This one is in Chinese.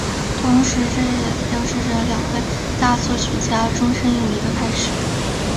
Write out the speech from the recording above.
同时这也标志着两位大作曲家终身友谊的开始。